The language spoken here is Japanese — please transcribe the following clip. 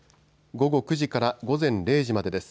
午後９時から午前０時までです。